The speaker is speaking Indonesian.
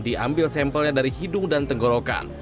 diambil sampelnya dari hidung dan tenggorokan